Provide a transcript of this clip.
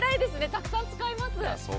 たくさん使います。